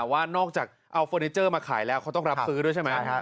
ว่านอกจากเอาเฟอร์นิเจอร์มาขายแล้วเขาต้องรับซื้อด้วยใช่ไหม